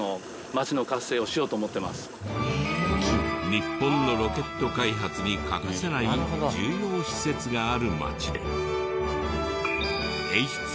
日本のロケット開発に欠かせない重要施設がある町で。